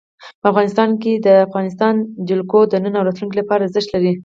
افغانستان کې د افغانستان جلکو د نن او راتلونکي لپاره ارزښت لري.